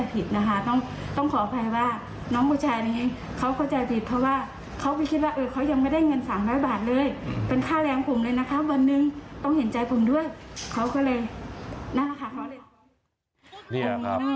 คนนั้นไงยังไม่ให้ตังค์เขา